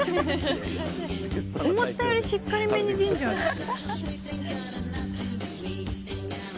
思ったよりしっかり目にジンジャーです。